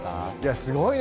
すごいね。